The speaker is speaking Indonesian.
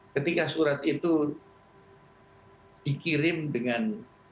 ketika surat itu dikirim dengan